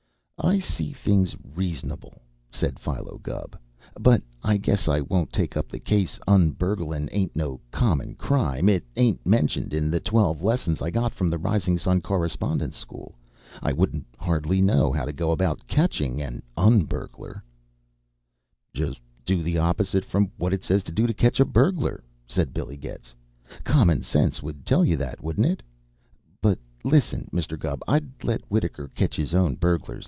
"I see things reasonable," said Philo Gubb. "But I guess I won't take up the case; un burgling ain't no common crime. It ain't mentioned in the twelve lessons I got from the Rising Sun Correspondence School. I wouldn't hardly know how to go about catching an un burglar " "Just do the opposite from what it says to do to catch a burglar," said Billy Getz. "Common sense would tell you that, wouldn't it? But, listen, Mr. Gubb: I'd let Wittaker catch his own burglars.